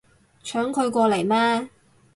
搶佢過嚟咩